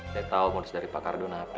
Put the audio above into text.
saya tahu modus dari pak ardun hp